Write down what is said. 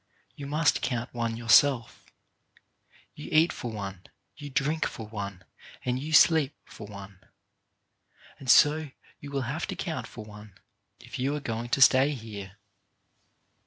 You must count one your self. You eat for one, you drink for one, and you sleep for one; and so you will have to count for one if you are going to stay here.